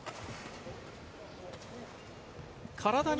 体に。